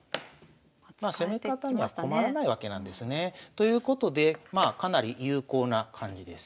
まあ攻め方には困らないわけなんですね。ということでまあかなり有効な感じです。